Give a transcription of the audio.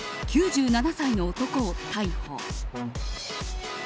９７歳の男を逮捕。